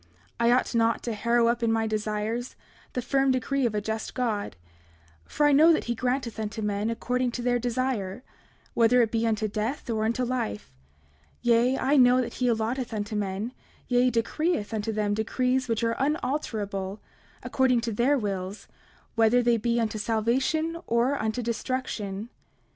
29:4 I ought not to harrow up in my desires, the firm decree of a just God, for I know that he granteth unto men according to their desire, whether it be unto death or unto life; yea, I know that he allotteth unto men, yea, decreeth unto them decrees which are unalterable, according to their wills, whether they be unto salvation or unto destruction.